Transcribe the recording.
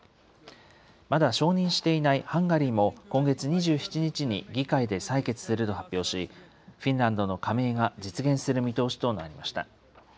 まだ承認していないハンガリーも、今月２７日に、議会で採決すると発表し、フィンランドの加盟が実現する見通しとなりました。